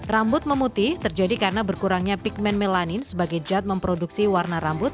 rambut memutih terjadi karena berkurangnya pigment melanin sebagai jad memproduksi warna rambut